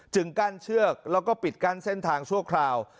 กั้นเชือกแล้วก็ปิดกั้นเส้นทางชั่วคราว